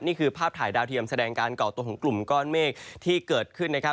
นี่คือภาพถ่ายดาวเทียมแสดงการก่อตัวของกลุ่มก้อนเมฆที่เกิดขึ้นนะครับ